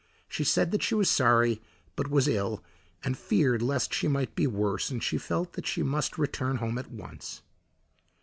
She said that she was sorry, but was ill, and feared lest she might be worse, and she felt that she must return home at once.